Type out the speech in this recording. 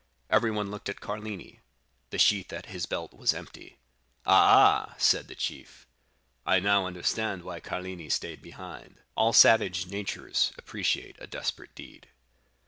Everyone looked at Carlini; the sheath at his belt was empty. "'Ah, ah,' said the chief, 'I now understand why Carlini stayed behind.' "All savage natures appreciate a desperate deed.